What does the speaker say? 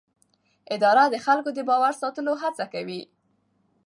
اداره د خلکو د باور ساتلو هڅه کوي.